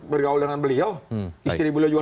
bergaul dengan beliau istri beliau juga